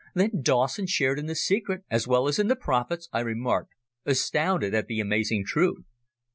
"Then Dawson shared in the secret, as well as in the profits?" I remarked, astounded at the amazing truth.